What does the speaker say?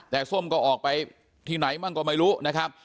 แต่ส้มก็ออกไปที่ไหนบ้างก็ไม่รู้นะครับ